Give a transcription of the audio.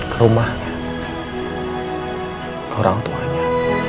ke rumahnya ke orang tuanya